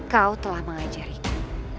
kau telah mengajariku